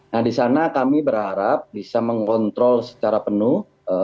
nah di sana kami berharap bisa mengontrol secara penuh traffic flow yang ada di sana